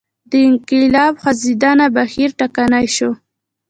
د انقلاب خوځنده بهیر ټکنی شو.